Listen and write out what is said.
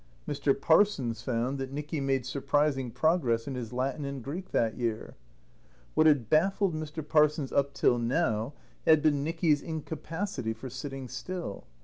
Mr. Parsons found that Nicky made surprising progress in his Latin and Greek that year. What had baffled Mr. Parsons up till now had been Nicky's incapacity for sitting still.